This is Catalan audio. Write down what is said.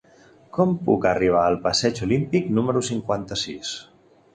Com puc arribar al passeig Olímpic número cinquanta-sis?